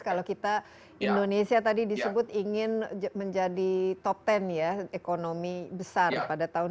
kalau kita indonesia tadi disebut ingin menjadi top ten ya ekonomi besar pada tahun dua ribu dua puluh